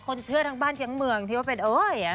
คนเชื่อทางบ้านเคียงเมืองที่ว่าเป็นเอ๋ย